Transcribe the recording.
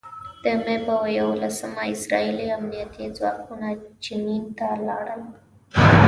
د مې په یوولسمه اسراييلي امنيتي ځواکونه جنین ته لاړل.